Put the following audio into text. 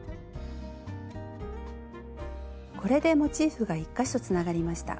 これでモチーフが１か所つながりました。